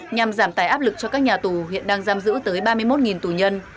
nhằm giảm tài áp lực cho các nhà tù hiện đang giam giữ tới ba mươi một tù nhân